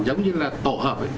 giống như là tổ hợp